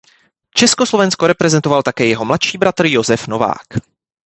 Československo reprezentoval také jeho mladší bratr Josef Novák.